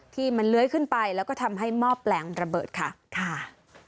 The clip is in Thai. ที่มันเลื้อยขึ้นไปแล้วก็ทำให้หม้อแปลงระเบิดค่ะค่ะ